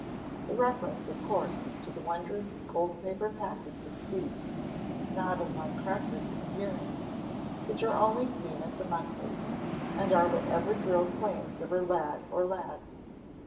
The reference of course is to the wondrous gold paper packets of sweets (not unlike crackers in appearance) which are only seen at the Muckley, and are what every girl claims of her lad or lads.